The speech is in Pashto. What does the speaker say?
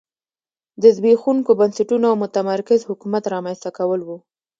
د زبېښونکو بنسټونو او متمرکز حکومت رامنځته کول و